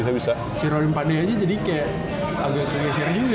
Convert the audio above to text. si rory pandey aja jadi kayak agak agak seri juga